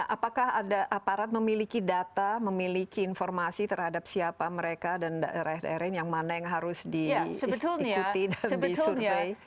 apakah ada aparat memiliki data memiliki informasi terhadap siapa mereka dan daerah daerah yang mana yang harus diikuti dan disurvey